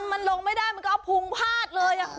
มันลงไม่ได้ก็เอาพงพาสเลย